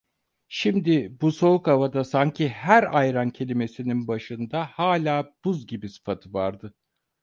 Şimdi, bu soğuk havada, sanki her ayran kelimesinin başında hala "buz gibi" sıfatı vardı.